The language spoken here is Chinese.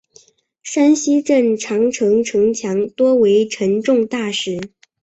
山西镇长城城墙多为沉重大石。